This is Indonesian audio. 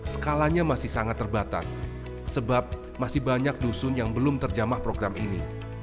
skalanya masih sangat terbatas sebab masih banyak dusun yang belum terjamah program ini